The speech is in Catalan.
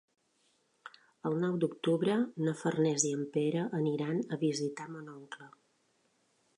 El nou d'octubre na Farners i en Pere aniran a visitar mon oncle.